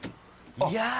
いや。